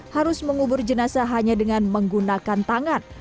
harus mengubur jenazah hanya dengan menggunakan tangan